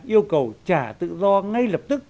yêu cầu trả tự do ngay lập tức